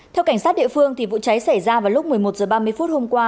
theo cảnh sát địa phương vụ cháy xảy ra vào lúc một mươi một h ba mươi phút hôm qua